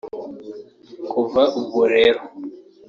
Kuva ubwo rero